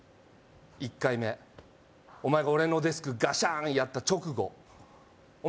１回目お前が俺のデスクガシャーンやった直後お前